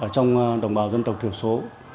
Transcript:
trong đồng bào dân tộc thiểu số